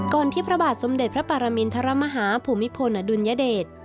ที่พระบาทสมเด็จพระปรมินทรมาฮาภูมิพลอดุลยเดช